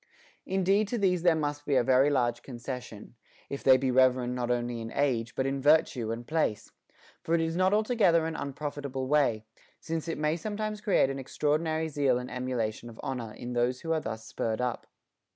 Indeed to these there must be a very large concession, if they be reverend not only in age, but in virtue and place ; for it is not altogether an unprofit able way, since it may sometimes create an extraordinary zeal and emulation of honor in those who. are thus spurred up.